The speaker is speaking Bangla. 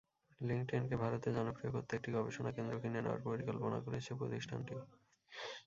লিংকডইনকে ভারতে জনপ্রিয় করতে একটি গবেষণা কেন্দ্র কিনে নেওয়ার পরিকল্পনা করছে প্রতিষ্ঠানটি।